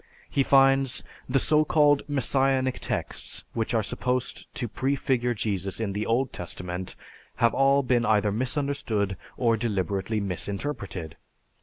He finds, "The so called Messianic texts which are supposed to prefigure Jesus in the Old Testament have all been either misunderstood or deliberately misinterpreted.